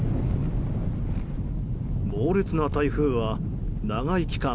猛烈な台風は長い期間